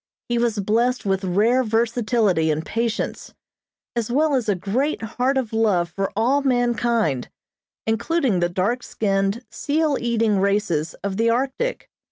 He was blessed with rare versatility and patience, as well as a great heart of love for all mankind, including the dark skinned, seal eating races of the Arctic.